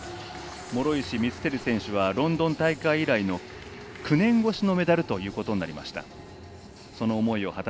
諸石光照選手はロンドン大会以来の９年越しのメダルとなりました。